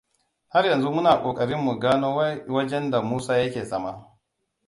Har yanzu muna kokarin mu gano wajenda Musa yake zama.